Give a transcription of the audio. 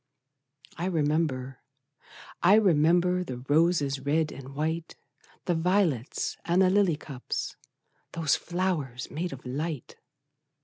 I remember, I remember, The roses, red and white, The violets, and the lily cups, Those flowers made of light!